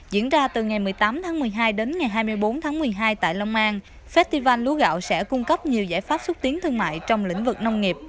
diễn ra từ ngày một mươi tám tháng một mươi hai đến ngày hai mươi bốn tháng một mươi hai tại long an festival lúa gạo sẽ cung cấp nhiều giải pháp xúc tiến thương mại trong lĩnh vực nông nghiệp